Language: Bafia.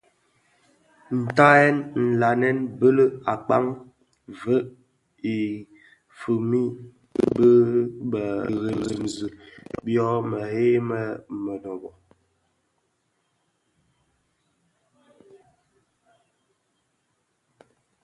Ntanyèn nlanèn bëlëk a kpaň veg i fikpmid mbi bè dheremzi byō mëghei yè mënōbō.